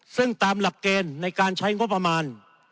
ซึ่งตามหลักเกณฑ์ในการใช้งบประมาณ